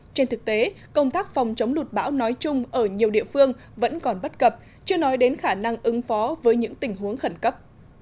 trên thực tế công tác phòng chống lụt bão nói chung ở nhiều địa phương vẫn còn bất cập chưa nói đến khả năng ứng phó với những tình huống khẩn cấp